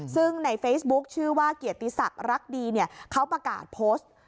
ซึ่งในเฟซบุ๊คชื่อว่าเกียรติศักดิ์รักดีเนี่ยเขาประกาศโพสต์